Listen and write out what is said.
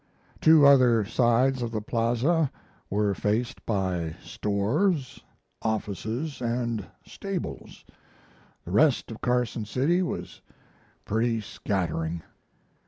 Two other sides of the Plaza were faced by stores, offices, and stables. The rest of Carson City was pretty scattering.